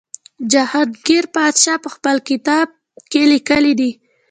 جهانګیر پادشاه په خپل کتاب تزک کې لیکلي دي.